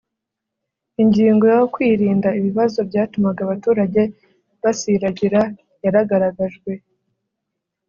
ingingo yo kwirinda ibibazo byatumaga abaturage basiragira yaragaragajwe.